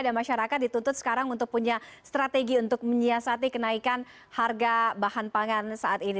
dan masyarakat dituntut sekarang untuk punya strategi untuk menyiasati kenaikan harga bahan pangan saat ini